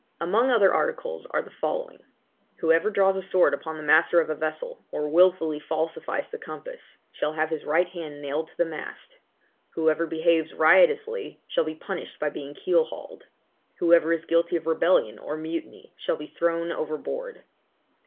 Among other articles are the following. Whoever draws a sword upon the master of a vessel, or wilfully falsifies the compass, shall have his right hand nailed to the mast. Whoever behaves riotously shall be punished by being keel hauled. Whoever is guilty of rebellion (or mutiny) shall be thrown overboard.